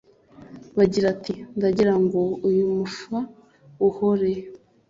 bagira, ati "ndagira ngo uyu mufa uhore